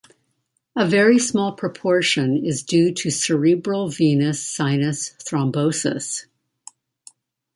A very small proportion is due to cerebral venous sinus thrombosis.